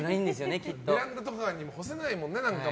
ベランダとかにも干せないもんね。